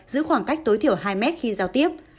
giữ khoảng cách tối thiểu hai mét khi giao tiếp